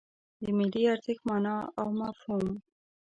د ملي ارزښت مانا او مفهوم